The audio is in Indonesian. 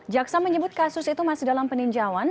jaksa menyebut kasus itu masih dalam peninjauan